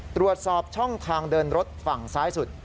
ตรวจสอบช่องทางเดินรถฝั่งซ้ายสุด